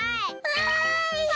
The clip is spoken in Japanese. わい！